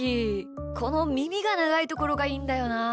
このみみがながいところがいいんだよな。